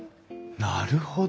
なるほど。